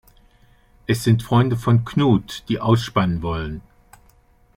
Es sind Freunde von Knut, die ausspannen wollen.